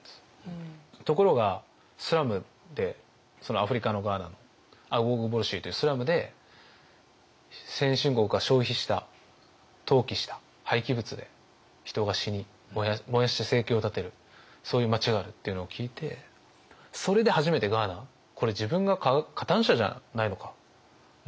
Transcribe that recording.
ところがスラムでアフリカのガーナのアグボグブロシーというスラムで先進国が消費した投棄した廃棄物で人が死に燃やして生計を立てるそういう町があるっていうのを聞いてそれで初めてガーナこれ自分が加担者じゃないのか強く思ってですね